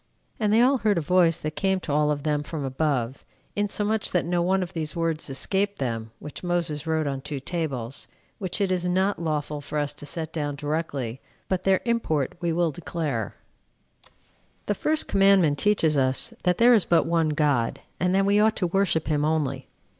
And they all heard a voice that came to all of them from above, insomuch that no one of these words escaped them, which Moses wrote on two tables; which it is not lawful for us to set down directly, but their import we will declare 10 5. The first commandment teaches us that there is but one God, and that we ought to worship him only.